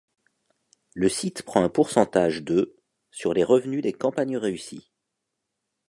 Le site prend un pourcentage de sur les revenus des campagnes réussies.